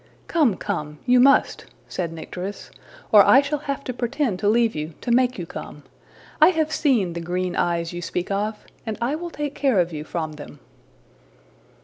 '' ``Come, come! you must,'' said Nycteris, ``or I shall have to pretend to leave you, to make you come. I have seen the green eyes you speak of, and I will take care of you from them.''